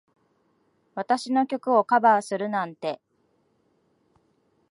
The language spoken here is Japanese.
私の曲をカバーするなんて。